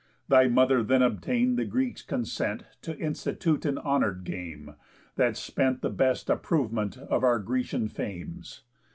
Thy mother then obtain'd the Gods' consent To institute an honour'd game, that spent The best approvement of our Grecian fames.